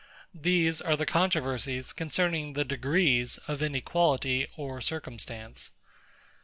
These are the controversies concerning the degrees of any quality or circumstance.